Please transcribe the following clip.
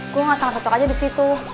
gua nggak salah cocok aja di situ